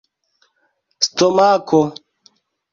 stomako